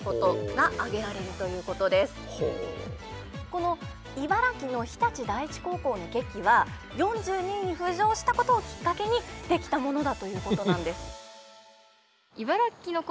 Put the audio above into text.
この茨城の日立第一高校の劇は４２位に浮上したことをきっかけに出来たものだということなんです。